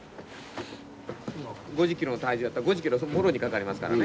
５０キロの体重やったら５０キロもろにかかりますからね。